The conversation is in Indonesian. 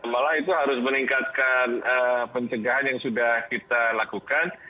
malah itu harus meningkatkan pencegahan yang sudah kita lakukan